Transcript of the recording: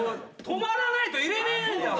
止まらないと入れられねえんだ。